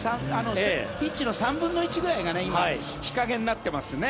ピッチの３分の１ぐらいが日陰になっていますね。